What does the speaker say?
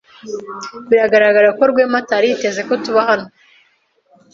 Biragaragara ko Rwema atari yiteze ko tuba hano.